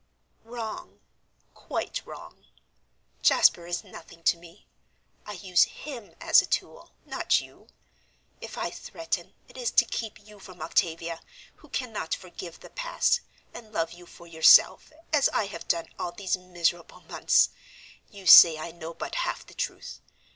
"Wrong, quite wrong. Jasper is nothing to me; I use him as a tool, not you. If I threaten, it is to keep you from Octavia, who cannot forgive the past and love you for yourself, as I have done all these miserable months. You say I know but half the truth.